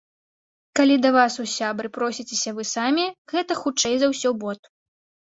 Калі да вас у сябры просіцеся вы самі, гэта хутчэй за ўсё бот.